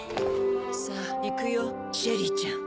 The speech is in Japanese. さぁ行くよシェリーちゃん。